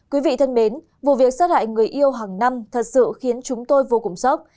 quý vị thân mến vụ việc sát hại người yêu hàng năm thật sự khiến chúng tôi vô cùng sốc